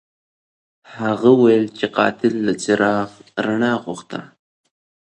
هغه وویل چې قاتل د څراغ رڼا غوښته.